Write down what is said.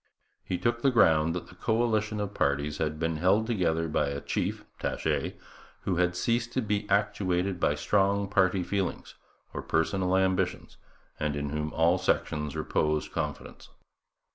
He took the ground that the coalition of parties had been held together by a chief (Taché) who had ceased to be actuated by strong party feelings or personal ambitions and in whom all sections reposed confidence.